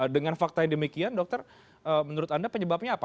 dengan fakta yang demikian dokter menurut anda penyebabnya apa